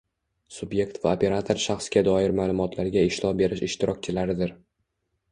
Subyekt va operator shaxsga doir ma’lumotlarga ishlov berish ishtirokchilaridir.